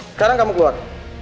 sekarang kamu keluar